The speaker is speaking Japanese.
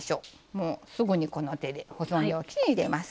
もうすぐにこの手で保存容器に入れます。